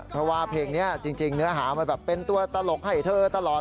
เพราะว่าเพลงนี้จริงเนื้อหามันแบบเป็นตัวตลกให้เธอตลอด